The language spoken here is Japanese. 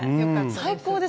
最高です。